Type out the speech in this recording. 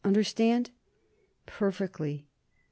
Understand?" "Perfectly."